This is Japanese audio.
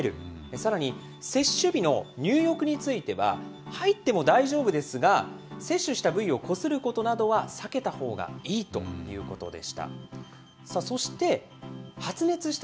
さらに接種日の入浴については、入っても大丈夫ですが、接種した部位をこすることなどは避けたほうがいいということでした。